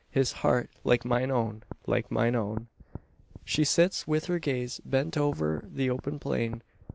His heart, like mine own like mine own!" She sits with her gaze bent over the open plain.